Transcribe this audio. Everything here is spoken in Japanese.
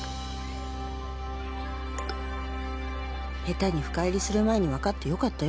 「下手に深入りする前に分かってよかったよ」